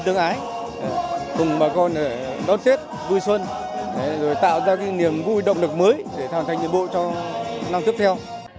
hãy cùng bà con đón tết vui xuân rồi tạo ra cái niềm vui động lực mới để thành nhiệm vụ cho năm tiếp theo